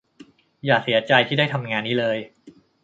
อย่าเสียใจที่ได้ทำงานนี้เลย